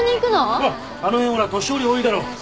あの辺ほら年寄り多いだろ？